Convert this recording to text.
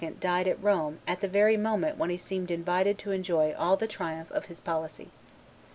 died at Rome at the very moment when he seemed invited to enjoy all the triumph of his policy.